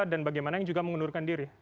dan bagaimana yang juga mengundurkan diri